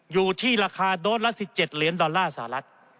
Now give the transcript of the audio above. อยู่ที่ราคาโดสละ๑๗เหรียญดอลลาร์สหรัฐ